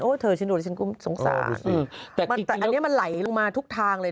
โอ้เธอฉันดูแล้วฉันก็สงสารอืมแต่อันเนี้ยมันไหลลงมาทุกทางเลย